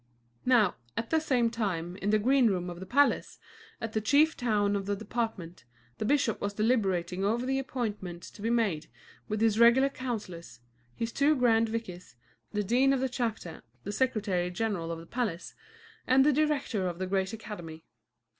Now, at the same time, in the green room of the palace, at the chief town of the department, the bishop was deliberating over the appointments to be made with his regular councillors, his two grand vicars, the dean of the chapter, the secretary general of the palace, and the director of the great academy.